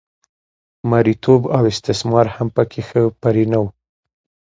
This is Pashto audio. مریتوب او استثمار هم په کې ښه پرېنه و